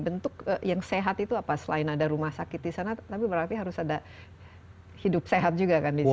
bentuk yang sehat itu apa selain ada rumah sakit di sana tapi berarti harus ada hidup sehat juga kan di sana